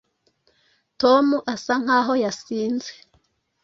tom asa nkaho yasinze